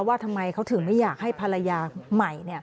ว่าทำไมเขาถึงไม่อยากให้ภรรยาใหม่